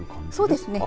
そうですね。